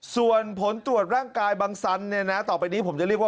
ส่วนผลตรวจร่างกายบังสันเนี่ยนะ